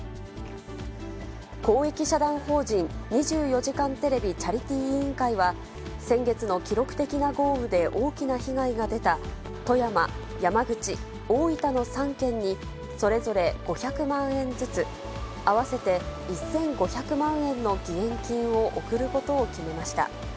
公益社団法人２４時間テレビチャリティー委員会は、先月の記録的な豪雨で大きな被害が出た富山、山口、大分の３県にそれぞれ５００万円ずつ、合わせて１５００万円の義援金を送ることを決めました。